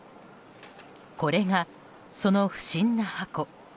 これが、その不審な箱。